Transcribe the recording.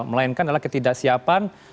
melainkan adalah ketidaksiapan